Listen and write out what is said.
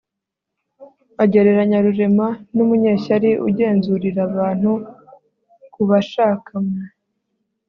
Agereranya Rurema n umunyeshyari ugenzurirabantu kubashakamw